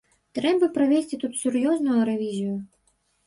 Трэба правесці тут сур'ёзную рэвізію.